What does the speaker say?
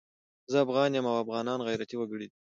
زه افغان یم او افغانان غيرتي وګړي دي